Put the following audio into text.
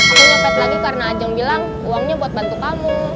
aku nyopet lagi karena ajeng bilang uangnya buat bantu kamu